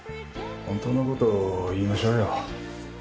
ホントのことを言いましょうよ。